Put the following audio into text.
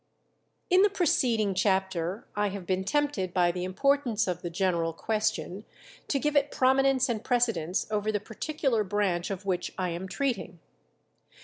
In the preceding chapter I have been tempted by the importance of the general question to give it prominence and precedence over the particular branch of which I am treating.